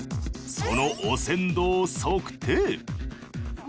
その汚染度を測定！